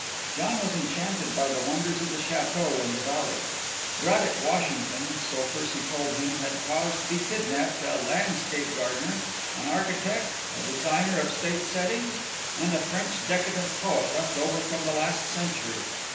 John was enchanted by the wonders of the château and the valley. Braddock Washington, so Percy told him, had caused to be kidnapped a landscape gardener, an architect, a designer of state settings, and a French decadent poet left over from the last century.